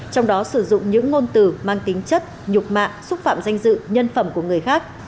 trong đó sử dụng những ngôn từ mang tính chất nhục mạ xúc phạm danh dự nhân phẩm của người khác